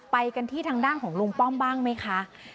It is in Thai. ไปกันที่ทางด้านของลุงป้อมบ้างไหมคะ